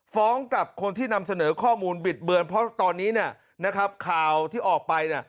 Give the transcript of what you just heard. ฟ้องกับคนที่นำเสนอข้อมูลบิดเบิร์นเพราะตอนนี้ข่าวที่ออกไป